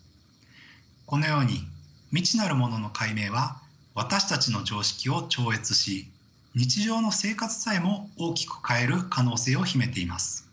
このように未知なるものの解明は私たちの常識を超越し日常の生活さえも大きく変える可能性を秘めています。